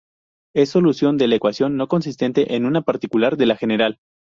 Es solución de la ecuación no consistente en una particular de la general.